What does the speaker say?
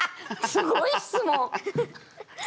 すごい質問！